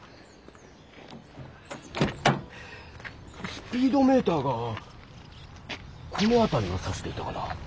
スピードメーターがこのあたりをさしていたかな。